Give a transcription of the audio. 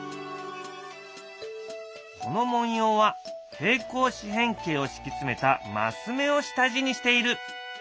この文様は平行四辺形を敷き詰めたマス目を下地にしている。